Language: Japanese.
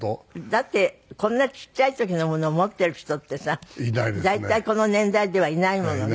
だってこんなちっちゃい時のものを持っている人ってさ大体この年代ではいないものね。